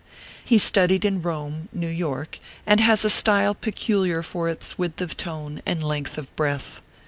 He studied in Rome (New York), and has a style peculiar for its width of tone and length of breath.